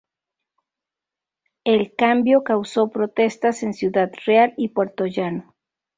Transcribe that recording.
El cambio causó protestas en Ciudad Real y Puertollano.